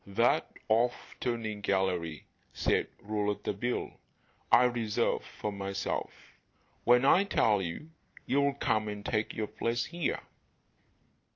"That 'off turning' gallery," said Rouletabille, "I reserve for myself; when I tell you you'll come and take your place here."